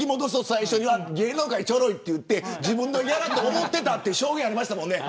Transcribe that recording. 最初、芸能界ちょろいと言って自分のギャラと思ってたって証言ありましたもんね。